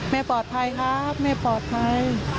แม่ปลอดภัยครับแม่ปลอดภัย